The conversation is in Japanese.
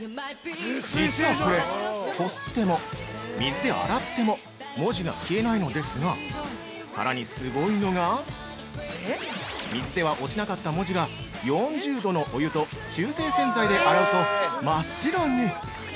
◆実はこれ、こすっても水で洗っても文字が消えないのですがさらに、すごいのが水では落ちなかった文字が４０度のお湯と中性洗剤で洗うと真っ白に。